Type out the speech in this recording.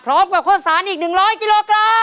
พร้อมกับโฆษศาสตร์อีก๑๐๐กิโลกรัม